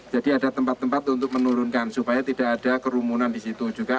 jadi ada tempat tempat untuk menurunkan supaya tidak ada kerumunan di situ juga